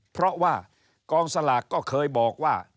เพราะว่ากองสลากก็เคยบอกว่า